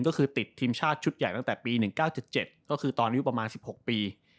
ก็คือติดทีมชาติชุดใหญ่ตั้งแต่ปี๑๙๗ก็คือตอนอายุประมาณ๑๖ปี